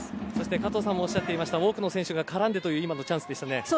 加藤さんもおっしゃっていました多くの選手が絡んでという今のチャンスでしたね。